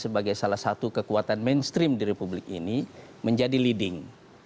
sebagai salah satu kekuatan mainstream di republik ini menjadi leading